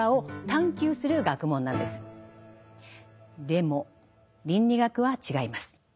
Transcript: でも倫理学は違います。